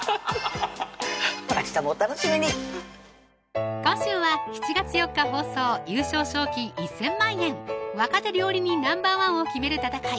明日もお楽しみに今週は７月４日放送優勝賞金１０００万円若手料理人Ｎｏ．１を決める戦い